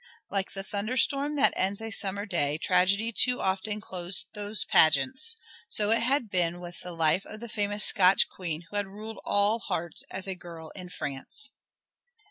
Like the thunder storm that ends a summer day tragedy too often closed those pageants. So it had been with the life of the famous Scotch Queen, who had ruled all hearts as a girl in France.